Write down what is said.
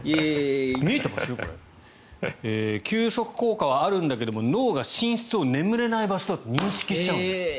休息効果はあるんだけど脳が寝室を眠れない場所だと認識しちゃうんですって。